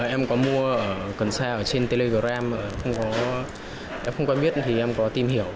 em có mua cần sa ở trên telegram em không có biết thì em có tìm hiểu